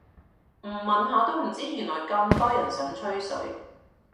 唔問下都唔知原來咁多人咁想吹水